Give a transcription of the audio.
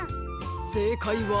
せいかいは。